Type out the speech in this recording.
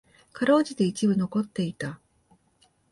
辛うじて一部残っていた。